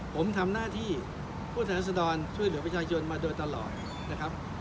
ผมทำหน้าที่ผู้แทนรัศดรช่วยเหลือประชาชนมาโดยตลอดนะครับ